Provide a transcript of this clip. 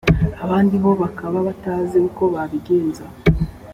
abandi bo bakaba batazi uko babigenza